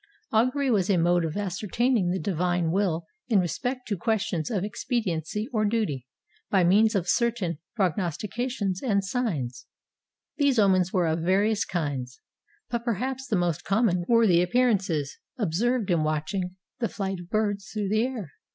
Augury was a mode of ascertaining the divine will in respect to questions of expediency or duty, by means of certain prognostications and signs. These omens were of various kinds, but perhaps the most com mon were the appearances observed in watching the flight of birds through the air.